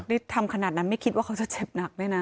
นี่ทำขนาดนั้นไม่คิดว่าเขาจะเจ็บหนักด้วยนะ